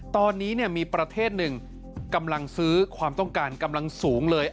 ตอนนี้มีประเทศหนึ่งกำลังซื้อความต้องการกำลังสูงเลย